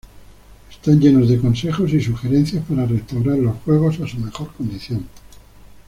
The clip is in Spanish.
Están llenos de consejos y sugerencias para restaurar los juegos a su mejor condición.